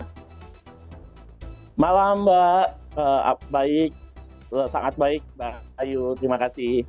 selamat malam mbak baik sangat baik mbak ayu terima kasih